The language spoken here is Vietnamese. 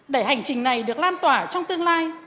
để hành trình này được lan tỏa trong tương lai